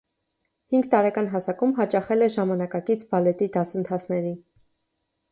Հինգ տարեկան հասակում հաճախել է ժամանակակից բալետի դասընթացների։